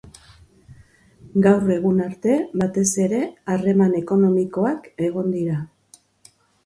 Gaur egun arte, batez ere harreman ekonomikoak egon dira.